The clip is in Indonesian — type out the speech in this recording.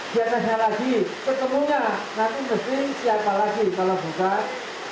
di atasnya lagi ketemu nya nanti mesti siapa lagi kalau bukan